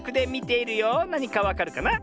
なにかわかるかな？